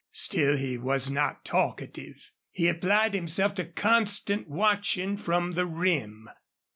Still, he was not talkative. He applied himself to constant watching from the rim.